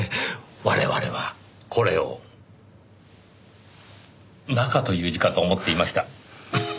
我々はこれを「中」という字かと思っていました。